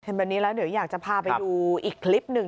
แบบนี้แล้วเดี๋ยวอยากจะพาไปดูอีกคลิปหนึ่ง